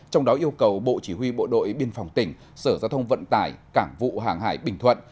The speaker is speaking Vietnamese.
trong đó yêu cầu bộ chỉ huy bộ đội biên phòng tỉnh sở giao thông vận tải cảng vụ hàng hải bình thuận